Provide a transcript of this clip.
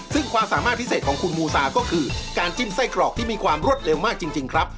ซึ่งความสามารถพิเศษของคุณมูซาก็คือการจิ้มไส้กรอกที่มีความรวดเร็วมากจริงครับ